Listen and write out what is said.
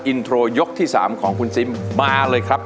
อินโทรยกที่๓ของคุณซิมมาเลยครับ